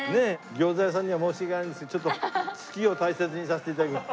ギョーザ屋さんには申し訳ないんですけどちょっと月を大切にさせて頂きます。